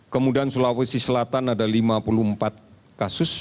kemudian sulawesi selatan ada lima puluh empat kasus